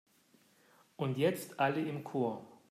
Und jetzt alle im Chor!